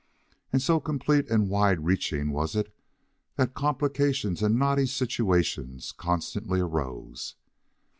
And so complete and wide reaching was it that complications and knotty situations constantly arose.